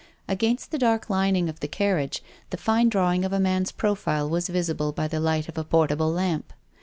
Against the dark lining of the carriage the fine draw ing of a man's profile was visible by the light of a portable lamp.